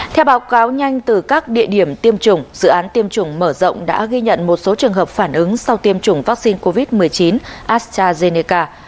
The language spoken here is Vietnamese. theo báo cáo nhanh từ các địa điểm tiêm chủng dự án tiêm chủng mở rộng đã ghi nhận một số trường hợp phản ứng sau tiêm chủng vaccine covid một mươi chín astrazeneca